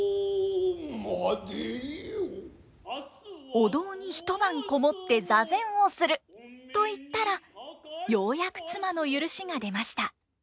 お堂に一晩籠もって座禅をすると言ったらようやく妻の許しが出ました。